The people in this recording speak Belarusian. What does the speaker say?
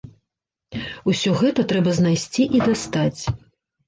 Усё гэта трэба знайсці і дастаць.